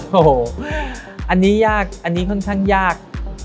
โอ้โหอันนี้ยากอันนี้ค่อนข้างยาก